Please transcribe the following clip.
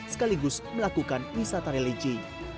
sekaligus melakukan wisata religi